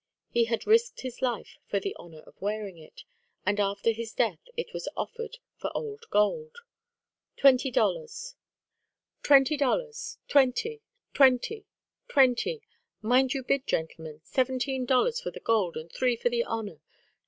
He had risked his life for the honour of wearing it; and after his death it was offered for old gold. "Twenty dollars." "Twenty dollars; twenty, twenty, twenty! Mind your bid, gentlemen. Seventeen dollars for the gold, and three for the honour.